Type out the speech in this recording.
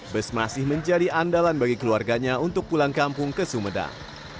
bus masih menjadi andalan bagi keluarganya untuk pulang kampung ke sumedang